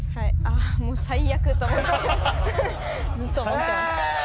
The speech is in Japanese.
あっもう最悪と思ってずっと思ってました。